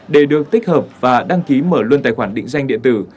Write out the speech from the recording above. để được tích hợp và đăng ký mở luôn tài khoản định danh điện tử